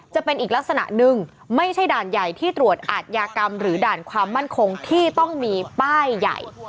จะเป็นอีกลักษณะหนึ่งไม่ใช่ด่านใหญ่ที่ตรวจอาทยากรรมหรือด่านความมั่นคงที่ต้องมีป้ายใหญ่